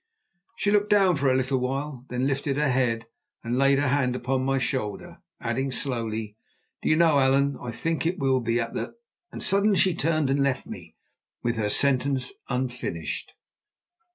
She looked down for a little while, then lifted her head and laid her hand upon my shoulder, adding slowly: "Do you know, Allan, I think that it will at the—" and suddenly she turned and left me with her sentence unfinished.